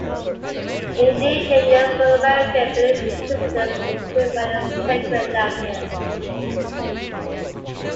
Indigenous North American belief systems include many sacred narratives.